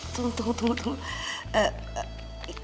tunggu tunggu tunggu